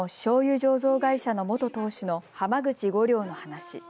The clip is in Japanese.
醸造会社の元当主の濱口梧陵の話。